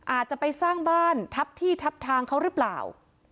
อาจจะไปสร้างบ้านทับที่ทับทางเขาหรือเปล่า